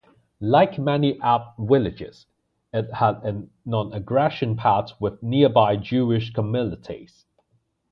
Like many Arab villages, it had a non-aggression pact with nearby Jewish communities.